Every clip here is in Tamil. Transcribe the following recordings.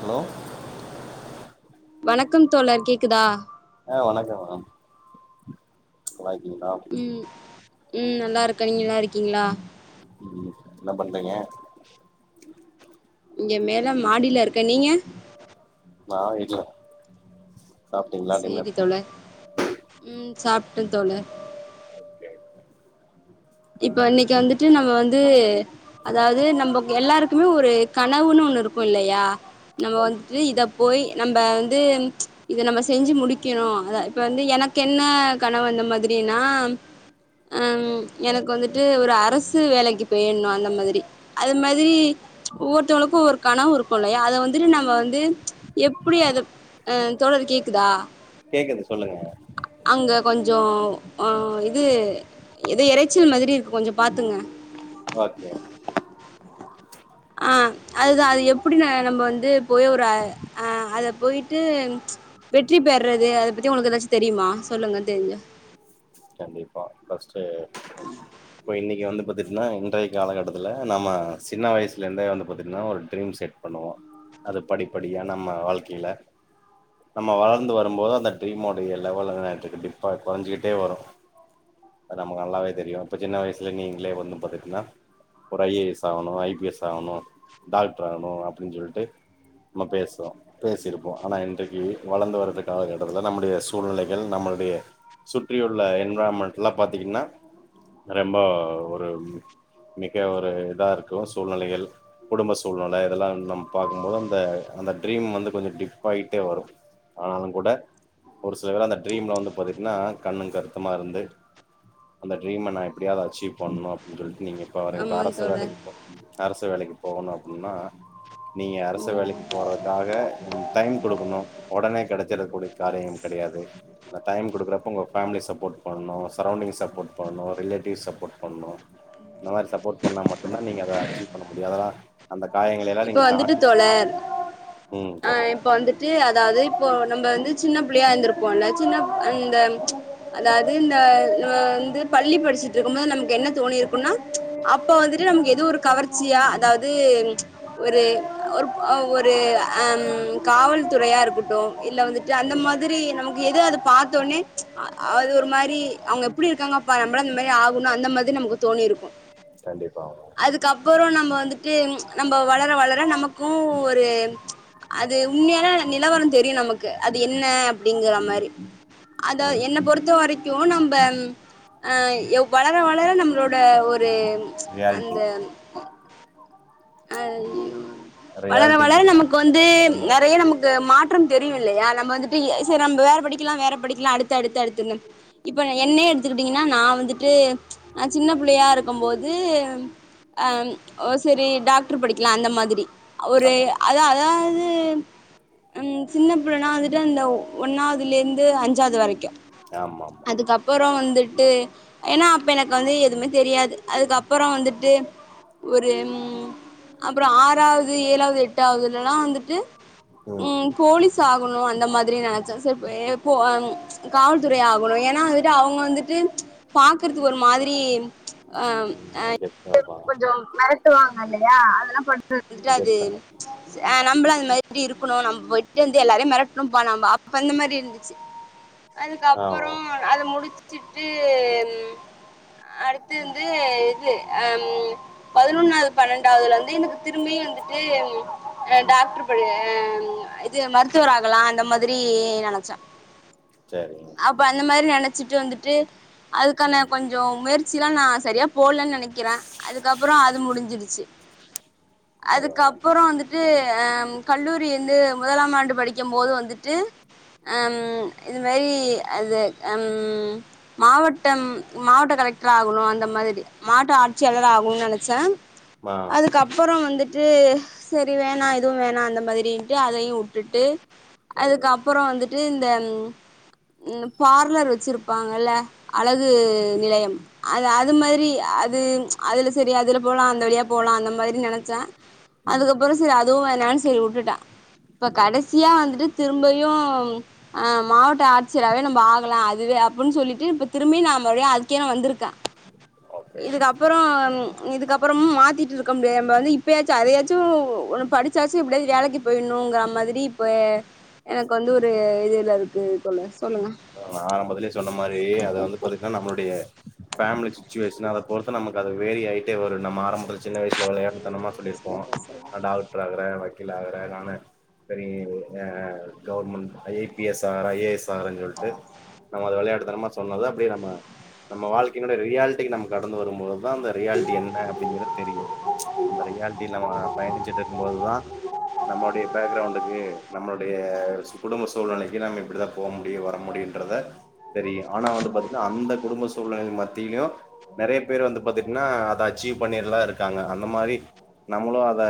ஹலோ வணக்கம் தோழர் கேக்குதா ஆ வணக்கம் மேடம் நல்லாருக்கிங்களா ம் ம் நல்லா இருக்கே நீங்க நல்லா இருக்கீங்களா என்ன பண்றீங்க இங்க மேல மாடில இருக்கே நீங்க நா வீட்லதா சேரி தோழர் ம் சாப்ட்டே தோழர் இப்ப இன்னிக்கு வந்துட்டு நம்ம வந்து அதாவது நம்ப எல்லாருக்குமே ஒரு கனவுன்னு ஒண்ணு இருக்கு இல்லையா நம்ப வந்துட்டு இதப் போய் நம்ப வந்து இத நம்ப செஞ்சு முடிக்கணு அத இப்ப வந்து எனக்கு என்ன கனவு அந்த மாதிரினா அம் எனக்கு வந்துட்டு ஒரு அரசு வேலைக்கு போயிட்ணு அந்த மாதிரி அது மாதிரி ஒவ்வொருத்தவங்களுக்கு ஒவ்வொரு கனவு இருக்கு இல்லையா அத வந்துட்டு நம்ப வந்து எப்டி அத ம் தோழர் கேக்குதா கேக்குது சொல்லுங்க அங்க கொஞ்சோ அ இது எதோ எறைச்சல் மாதிரி இருக்கு கொஞ்சோ பாத்துங்க ஓகே ஆ அதுதா அது எப்டி நா நம்ப வந்து போய் ஒரு அ அத பொயிட்டு வெற்றி பெற்றது அத பத்தி உங்களுக்கு எதாச்சு தெரியுமா சொல்லுங்க தெருஞ்சா கண்டிப்பா ஃபஸ்ட்டு இப்ப இன்னிக்கு வந்து பாத்துட்னா இன்றைய காலகட்டத்துல நம்ம சின்ன வயசுல இருந்தே வந்து பாத்துட்னா ஒரு ட்ரீம் செட் பண்ணுவோ அது படிப்படியா நம்ம வாழ்க்கையில நம்ம வளர்ந்து வரும்போது அந்த ட்ரீம்மோடைய லெவல் கண்டிப்பா கொறஞ்சுக்கிட்டே வரு அது நமக்கு நல்லாவே தெரியு இப்ப சின்ன வயசுல நீங்களே வந்து பாத்துட்னா ஒரு ஐ ஏ எஸ் ஆவனு ஐ பி எஸ் ஆவனு டாக்டர் ஆவனு அப்டினு சொல்ட்டு நம்ம பேசுவோ பேசியிருப்போ ஆனா இன்றைக்கு வளர்ந்து வருதுக்கால கட்டத்துல நம்முடைய சூழ்நிலைகள் நம்மளுடைய சுற்றியுள்ள என்விரான்மென்ட்லா பாத்தீங்கன்னா ரெம்ப ஒரு மிக ஒரு இதா இருக்கு சூழ்நிலைகள் குடும்ப சூழ்நிலை இதெல்லா நம்ம பாக்கும்போது அந்த அந்த ட்ரீம் வந்து கொஞ்சோ டிப் ஆகிட்டே வரு ஆனாலுங் கூட ஒரு சில பேர் அந்த ட்ரீம்ல வந்து பாத்துட்னா கண்ணு கருத்து ம்மா இருந்து அந்த ட்ரீம்ம நா எப்டியாவது அச்சீவ் பண்ணு அப்டின்னு சொல்ட்டு நீங்க இப்போ அவரு இப்ப ஆமா அரச தோழர் வேலைக்கு போனு அரசு வேலைக்கு போகணு அப்டின்னா நீங்க அரசு ம் வேலைக்குப் போறதுக்காக என் டைம் குடுக்கணு ஒடனே கெடச்சுடக்கூடிய காரியம் கெடையாது டைம் குடுக்குறப்ப உங்க ஃபேமிலி சப் போட் பண்ணனு சரோண்டிங் சப்போட் பண்ணனு ரிலேட்டிவ்ஸ் சப்போட் பண்ணனு இந்த மாரி சப்போர்ட் பண்ணா மட்டுந்தா நீங்க அத அச்சீ்வ் பண்ண முடியு அதல்லா அந்த காயங்களை எல்லா இப்ப நீங்க வந்துட்டு தாண்டி தோழர் வர்னு ம் சொல்ல ட்டு அதாவது இப்போ நம்ம வந்து சின்ன புள்ளையா இருந்திருப்போம்ல்ல சின்ன அந்த அதாவது இந்த ஆ வந்து பள்ளி படிச்சிட்டு இருக்கு போது நமக்கு என்ன தோணி இருக்கும்னா அப்போ வந்துட்டு நமக்கு எதோ ஒரு கவர்ச்சியா அதாவது ஒரு ஒரு ஒரு அ காவல்துறையா இருக்கட்டு இல்ல வந்து டு அந்த ம் மாரி நமக்கு எதோ அது பாத் தோனே அது ஒரு மாரி அவுங்க எப்டி இருக்காங்க பாரு நம்மளு அந்த மாரி ஆகுனு அந்த மாரி நமக்கு தோணிருக் கு கண்டிப்பா ஆவு அதுக்கப்றோ நம்ம வந்துட்டு நம்ம வளர வளர நமக்கு ஒரு அது உண்மையான நிலவரம் தெரியு நமக்கு அது என்ன அப்டிங்கற மாரி அந்த ம் என்ன பொறுத்த வரைக் கு நம்ப ஆ வளர வளர நம்மளோட ஒரு ரியால்ட்டி அய்யோ வளர ரியாலிட்டின் வளர சொல்லுவாங்க நமக்கு நட வந்து நடைமுறை நெறைய நமக்கு மா ற்றம் தெரியு இல்லையா நம்ம வந்துட்டு சேரி நம்ம வேற படிக்கலா வேற படிக்கலா அடுத்து அடுத்து அடுத்துனு இப்ப என்ன எடுத்துக்கிட்டீங்கன்னா நா வந்துட்டு சின்ன புள்ளையா இருக்கு போது அ ஒ சேரி டாக்டர் படிக்கலா அந்த மாரி ஒரு அதா அத அதாது ம் சின்ன புள்ளைனா வந்துட்டு அந்த ஒன்னாவதுலேந்து அஞ்சாவது வரைக்கு ஆமாமா அதுக்கப் பறோ வந்துட்டு ஏனா அப்ப எனக்கு வந்து எதுவுமே தெரியாது அதுக்குப்பறோ வந்துட்டு ஒரு ம் அப்றோ ஆறாவது ஏழாவது எட்டாவதுலல்லா வந்துட்டு ம் போலீஸ் ஆகணு அந்த மாதிரி நெனைச்சே சேரி பே போ அப் காவல்துறை ஆகணு ஏனா வந்துட்டு அவுங்க வந்துட்டு பாக்குறதுக்கு ஒரு மாதிரி ஆ அ ம் கெத்தா இருப்பாங்க கொஞ்சோ மிரட்டுவாங்க இல்லையா அதெல்லா பாத்துட்டு வந்துட்டு அது கெத்தா அ நம்மளு அந்த மாதிரி இருக்கணு நம்ம போயிட்டு வந்து எல்லாரையு மிரட்டணும்ப்பா நம்ம அப்ப அந்த மாரி இருந்துச் சி அதுக்கப்பறோ ஆமா அத முடிச்சுட்டு ம் ஆ அடுத்து வந்து இது அ பதினொன்னாவது பன்னெண்டாவதுல இருந்து எனக்கு திரும்பி வந்துட்டு டாக்டர் படிக்னு எ ஆ இது மருத்துவர் ஆகலா அந்த மாதிரி நெனைச்சே சேரி [unintelligible] அப்ப அந்த மாதிரி நெனைச்சிட்டு வந்துட்டு அதுக்கான கொஞ்சோ முயற்சி எல்லா நா சரியா போடலன்னு நெனைக்கிறே அதுக்கப்பறோ அது முடிஞ்சிருச் சி அதா அதா அதுக்கப்பறோ வந்துட்டு அ கல்லூரி வந்து முதலாம் ஆண்டு படிக்குபோது வந்துட்டு அம் இது மாதிரி அது அம் மாவட்டம் மாவட்ட கலெக்டர் ஆகணு அந்த மாதிரி மாவட்ட ஆட்சியாளர் ஆகணும்னு நெனைச்சே ஆ அதுக்குப்பறோ வந்துட்டு சேரி வேணா எதுவு வேணா அந்த மாதிரின்ட்டு அதையு வுட்டுட்டு அதா அதுக்குப்பறோ வந்துட்டு இந்த பார்லர் வச்சிருப்பாங்கல்ல அழகு நிலையம் அது அது மாரி அது அதுல சேரி அதுல போலா அந்த வழியா போலா அந்த மாரி நெனைச்சே அதா அதுக்கப்றோ சேரி அதுவு வேனன்னு சேரி விட்டுட்டே இப்ப ம் கடைசியா வந்துட்டு திரும்பயு ஆ மாவட்ட ஆட்சியரவே நம்ம ஆகலா அதுவே அப்டின்னு சொல்லிட்டு இப்ப திரும்பி நா மறுபுடியு அதுக்கே நா வந்துருக்கே ஓகே இதுக்கப்றோ இதுக்கப்றமு மாத்திட் இருக்க முடியாதுன்பாங்க இப்பயாச்சு அதையாச்சு ஒன்னு படிச்சாச்சு எப்புடியாது வேலைக்கு போயிணுங்கற மாதிரி இப்ப எனக்கு வந்து ஒரு இதுல இருக்கு சொல்லுங் சொல்லுங்க நா ஆரம்பத்துலயே சொன்ன மாதிரி அத வந்து சொதப்பு பாத் நம்மளுடைய பேமிலி சுச்சுவேஷன் அத பொறுத்த நமக்கு அது வேறி ஆயிட்டே வரும் நம்ம ஆரம்பத் சின்ன வயசுல விளையாட்டுத்தனமா சொல்லியிருப்போ இங்கிலீஷ்லயே பேசுறது நா டாக்டர் ஆகுறே வக்கீல் ஆகுறே நானு பெரிய ஆ government I I P S or I A S ஆயிருன்னு சொல் நம்ம அத விளையாட்டு தனமா சொன்னது அப்டியே நம்ப நம்ம வாழ்க்கையுடைய ரியாலிட்டிக்கு நம்ம கடந்து வரும் போது தான் அந்த ரியாலிட்டி என்ன அப்டிங்கறது தெரியு இந்த ரியாலிட்டி இல்லாம பயணிச்சிட்டு இருக்கு போது தா நம்மளுடைய பேக்ரவுண்டுக்கு நம்மளுடைய குடும்ப சூழ்நிலைக்கு நம்ம இப்புடி தா போ முடியு வர முடி யுற்றத தெரியு‌ ஆனா வந்து பாத்தீங்கன்னா அந்த குடும்ப சூழ்நிலைகள் மத்தியிலு நெறைய பேரு வந்து பாத்தீட்டன்னா அதை அச்சீவ் பண்ணிட்டுலா இருக்காங்க அந்த மாறி நம்மளும் அத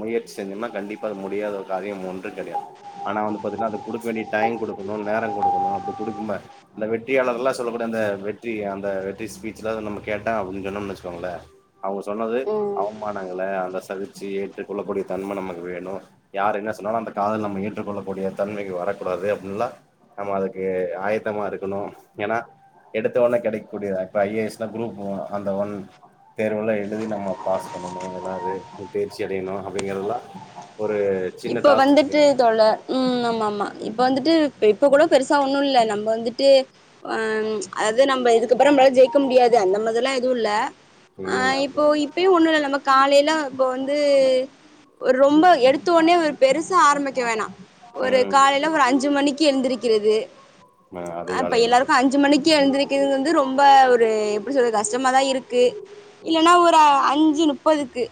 முயற்சி செஞ்சோம்னா கண்டிப்பா அது முடியாத ஒரு காரியம் ஒன்றும் கிடையாது ஆனா வந்து பாத்தீங்கன்னா அத கொடுக்க வேண்டிய டைம் குடுக்ணும் நேரம் குடுக்கணும் அப்டி குடுக்கும்ப அந்த வெற்றியாளர் எல்லா சொல்லக்கூடிய அந்த வெற்றி அந்த வெற்றி ஸ்பீச் எல்லா நம கேட்டே அப்டின்னு சொன்னோனு வச்சுக்கோங்களே அவுங்க சொன்னது ம் அவமானங்கள அந்த சகிச்சி ஏற்றுக்க கொள்ளக்கூடிய தன்ம நமக்கு வேணு யாரு என்ன சொன்னாலு அந்த காதுல நம்ம ஏற்றுக்கொள்ளக்கூடிய தன்மைக்கு வரக்கூடாது அப்டின்லா நம்ம அதுக் ஆயத்தமா இருக்கணு ஏன்னா எடுத்த உடனே கிடைக்கூடிய அந்த ஐ ஏ எஸ் ன குரூப் அந்த ஒன் தேர்வெலா எழுதி நம்ம பாஸ் பண்ணணு எல்லாரு தேர்ச்சி அடையணு அப்டிங்கிறதலா இப்ப வந்துட்டு தொல்ல ம் ஆமா ஆமா இப்ப வந்துட்டு இப்ப கூட பெருசா ஒண்ணு இல்ல நம்ம வந்துட்டு ம் அதாது நம்ம இதுக்கப்பறே நம்மளாலு ஜெயிக்க முடியாது அந்த மாதிரி எல்லா எதுவு இல்ல ஆ ம் இப்போ இப்பயு ஒண்ணு இல்ல நம்ம காலையில இப்ப வந்து ரொம்ப எடுத் த்துதோனயே ஒரு பெருசா ஆரம்பிக்க வேணா ஒரு ம் காலையில ஒரு கண்டிப்பா அஞ்சு மணிக்கு எழுந்திருக்கிறது ஆ அப்ப அதிகாலைல எல்லாருக்கு அஞ்சு மணிக்கே எழுந்திரு இதுங்க வந்து ரொம்ப ஒரு எப்டி சொல்றது கஷ்டமாதா இருக்கு இல்லன்னா ஒரு அஞ்சு முப்பதுக்கு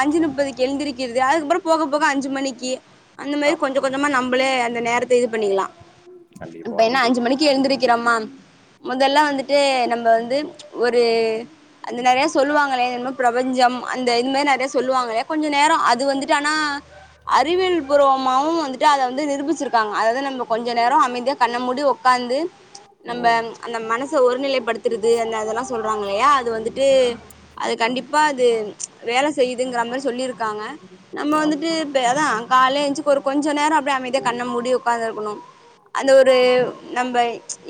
அஞ்சு முப்பதுக்கு எழுந்திருக்கிறது அதுக்கப்பறே போக போக அஞ்சு மணிக்கு அந்த மாறி ஆம் கொஞ்சே கொஞ்சமா நம்மளே அந்த நேரத்தை இது பண்ணிக்கலா இப்ப கண்டிப்பா என்ன இன்றி அஞ்சு மணிக்கு எழுந்திருக்கிறோமா முதல்லா வந்துட்டு நம்ப வந்து ஒரு அந்த நெறைய சொல்லுவாங்களே பிரபஞ்சம் அந்த இது மாதிரி நெறைய சொல்லுவாங்களே கொஞ்ச நேரம் அது வந்துட்டு ஆனா அறிவியல் பூர்வமாவு வந்துட்டு அத வந்து நிரூபிச்சிருக்காங்க அதாவது நம்ம கொஞ்ச நேரம் அமைதியா கண்ண மூடி உக் உட்காந்து நம்ப ம் அந்த மனசு ஒரு நிலைப்படுத்துறது அந்த அதெல்லா சொல்றாங்க இல்லையா அது வந்துட்டு ஆம் அது கண்டிப்பா அது வேலை செய்யுதுங்குற மாறி சொல்லிருக்காங்க நம்ம வந்து ஆம் இது இப்புடியே தா காலையிலே எந்திருச்சி ஒரு கொஞ்ச நேரம் அப்டியே அமைதியா கண்ண மூடி உட்காந்துருக்கணு அந்த ஒரு நம்ம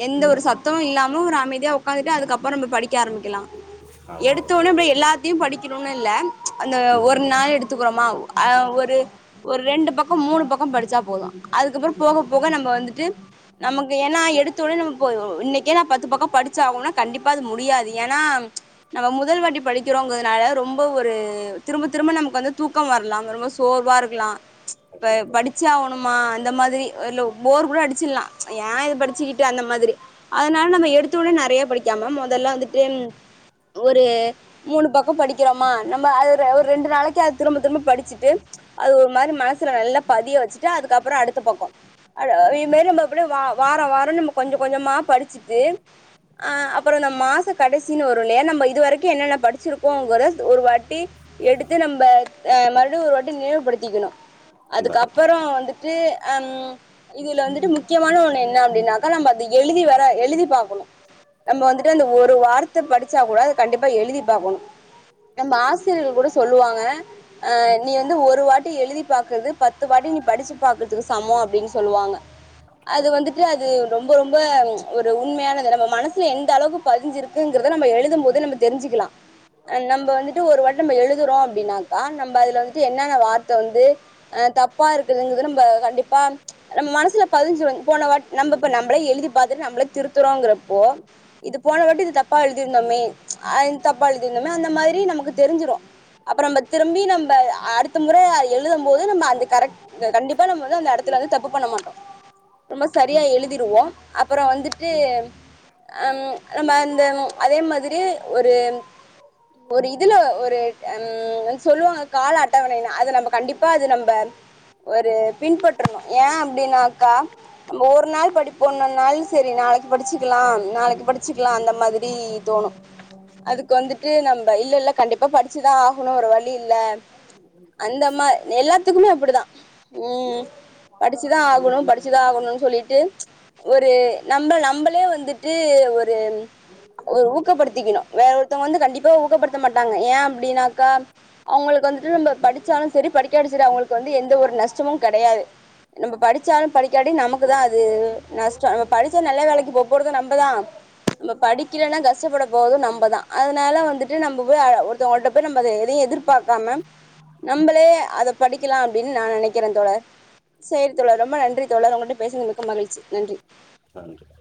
எந்த ஒரு சத்தமு இல்லாம ஒரு அமைதியா உக்காந்துட்டு அதுக்கப்பறே நம்ம படிக்க ஆரம்பிக்கலா அதா எடுத்த அதா உடனே அப்டி எல்லாத்தையு படிக்கணும்னு இல்ல அந்த ஒரு ம் நாள் எடுத்துக்கிறோமா ஆ ஒரு ஒரு ஒரு ரெண்டு பக்க மூணு பக்க படிச்சா போது அதுக்கப்பறே போக ஆமா போக நம்ம வந்துட்டு நமக்கு ஏன்னா எடுத்த உனே நம்ம இன்னைக்கே நா பத்து பக்க படிச்சே ஆகுனுனா கண்டிப்பா அது முடியாது ஏன்னா நம்ப முதல் வாட்டி படிக்கிறோங்கிறதுனால ரொம்ப ஒரு திரும்ப திரும்ப நமக்கு வந்து தூக்க வரலா ரொம்ப சோர்வா இருக்கலா இப்ப கண்டிப்பா படிச்ச இன்னுமா அந்த மாதிரி லோ போர் கூட அடிச்சிர்லா ஏ இத படிச்சுக்கிட்டு அந்த மாதிரி அதனால நம்ம எடுத்தோன்னே நறையா படிக்காம மொதல்ல வந்துட்டு ஒரு மூணு பக்கோ படிக்கிறோமா நம்ம அது ஒரு ரெண்டு நாளைக்கி அது திரும்ப திரும்ப படிச்சுட்டு அது ஒரு மாரி மனசுல நல்லா பதிய வச்சுட்டு அதுக்கப்பறோ அடுத்த பக்கோ அ ம் இது மேரி நம்ம அப்டியே வா வாரோ வாரோ நம்ம கொஞ்சோ கொஞ்சமா படிச்சுட்டு அ அப்பறோ இந்த மாச கடைசின்னு வரு இல்லையா நம்ம இதுவரைக்கு என்னென்ன படிச்சிருக்கோங்கறத ஒரு வாட்டி எடுத்து நம்ம அ மறுபடியு ஒரு வாட்டி நீனைவுபடுத்திக்கணு இந்தா அதுக்கப்பறோ வந்து ட்டு ம் இதுல வந்துட்டு முக்கியமான ஒண்ணு என்ன அப்டின்னாக்கா நம்ம அத எழுதி வர எழுதி பாக்கணு நம்ம வந்துட்டு அந்த ஒரு வார்த்த படிச்சா கூட அத கண்டிப்பா எழுதி பாக்கணு நம்ம ஆசிரியர்கள் கூட சொல்லுவாங்க அ நீ வந்து ஒரு வாட்டி எழுதி பாக்குறது பத்து வாட்டி நீ படிச்சு பாக்குறதுக்கு சமம் அப்டின்னு சொல்லுவாங்க அது கண்டிப்பா வந்துட்டு அது ரொம்ப ரொம்ப ஒரு உண்மையானது நம்ம மனசுல எந்த அளவுக்கு பதிஞ்சிருக் குங்கறத நம்ம எழுதும்போது நம்ம தெரிஞ்சுக்கலா ஆ நம்ம வந்துட்டு ஒரு வட்டி நம்ம எழுதுறோ அப்படின்னாக்கா நம்ம அதுல வந் து என்னான்ன வார்த்த வந்து அ தப்பா இருக்குதுங்குறது நம்ம கண்டிப்பா நம்ம மனசுல பதிஞ்சுரு போனவாட் நம்ம இப்ப நம்பளே எழுதி பாத்துட்டு நம்பளே திருத்துறோங்கறப்போ இது போனவாட்டி இது தப்பா எழுதிருந்தோமே ஆது தப்பா எழுதிருந்தோமே அந்த மாதிரி நமக்கு தெரிஞ்சிரு அப்புறோ நம்ம திரும்பி நம்ப அடுத்த முறை எழுதும் போது நம்ம அந்த கரெக் கண்டிப்பா நம்ம வந்து அந்த எடத்துல வந்து தப்பு பண்ண மாட்டோ ரொம்ப சரியா எழுதிருவோ அப்புறோ வந்துட்டு அம் அந்த அதே மாதிரி ஒரு ஒரு இதுல ஒரு ம் சொல்லுவாங் காலான் அட்டவணையினு அத நம்ம கண்டிப்பா அது நம்ம ஒரு பின்பற்றனு ஏன் அப்படினாக்கா நம்ம ஒரு நாள் படிப்போ இன்னொரு நாள் செரி நாளைக்கி படிச்சுக்கலா நாளைக்கி படிச்சுக்கலா அந்த மாதிரி தோணு அதுக்கு வந்துட்டு நம்ம இல்லேல்ல கண்டிப்பா படிச்சுதா ஆகணு ஒரு வழி இல்ல அந்த மா எல்லாத்துக்குமே அப்படிதா ம் படிச்சுதா ஆகணு படிச்சுதா ஆகணுன்னு சொல்லிட்டு ஒரு நம்ம நம்பளே வந்துட்டு ஒரு ஊ ஊக்கப்படுத்திக்கணு வேற ஒருத்தவங்க வந்து கண்டிப்பா ஊக்கப்படுத்த மாட்டாங்க ஏ அப்படின்னாக்கா அவங்களுக்கு வந்துட்டு நம்ம படிச்சாலு செரி படிக்காட்டி செரி அவங்களுக்கு வந்து எந்த ஒரு நஷ்டமும் கெடையாது நம்ம படிச்சாலு படிக்காட்டி நமக்கு தா அது நஷ்டோ நம்ம படிச்சா நல்ல வேலைக்கி போ போறது நம்ப தா நம்ம படிக்கலனா கஷ்டப்பட போறது நம்மதா அதனால வந்துட்டு நம்ம போய் ஒருத்தவங்கள்ட்ட போய் நம்ம அத எதையு எதிர் பாக்காம நம்பளே அத படிக்கலா அப்படின்னு நா நெனைக்கிறே தோழர் சேரி தோழர் ரொம்ப நன்றி தோழர் உங்கள்ட்ட பேசுனது மிக்க மகிழ்ச்சி நன்றி நன்றி